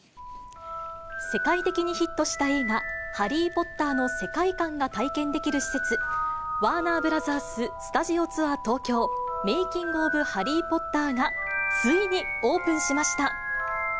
世界的にヒットした映画、ハリー・ポッターの世界観が体験できる施設、ワーナーブラザーススタジオツアー東京メイキング・オブ・ハリー・ポッターがついにオープンしました。